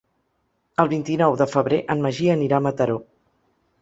El vint-i-nou de febrer en Magí anirà a Mataró.